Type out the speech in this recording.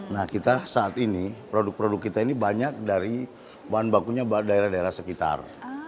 nah kita saat ini produk produk kita ini banyak dari bahan bakunya daerah daerah sekitar